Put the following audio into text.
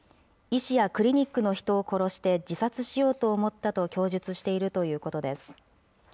医師やクリニックの人を殺して、自殺しようと思ったと供述しているということです。